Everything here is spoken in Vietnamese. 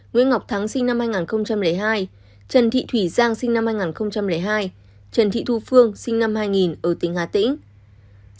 nguyễn ngọc thắng sinh năm hai nghìn hai trần thị thủy giang sinh năm hai nghìn hai trần thị thu phương sinh năm hai nghìn ở tỉnh hà tĩnh